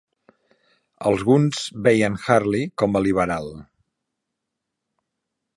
Alguns veien Hurley com a 'liberal'.